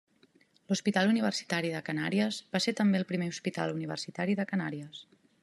L'Hospital Universitari de Canàries va ser també el primer hospital universitari de Canàries.